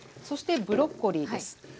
そしてブロッコリーです。